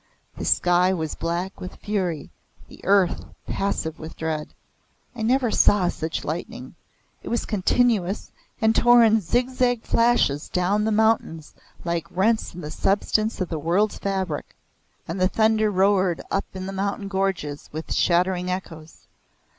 The sky was black with fury, the earth passive with dread. I never saw such lightning it was continuous and tore in zigzag flashes down the mountains like rents in the substance of the world's fabric. And the thunder roared up in the mountain gorges with shattering echoes.